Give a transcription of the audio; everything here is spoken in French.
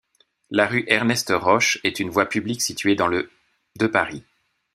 La rue Ernest-Roche est une voie publique située dans le de Paris.